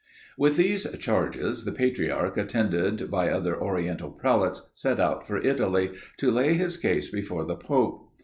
With these charges the patriarch, attended by other oriental prelates, set out for Italy, to lay his case before the pope.